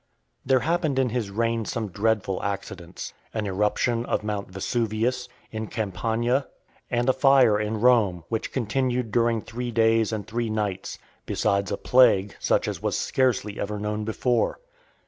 There happened in his reign some dreadful accidents; an eruption of Mount Vesuvius , in Campania, and a fire in Rome, which continued during three days and three nights ; besides a plague, such as was scarcely ever known before.